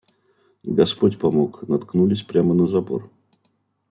Господь помог, наткнулись прямо на забор.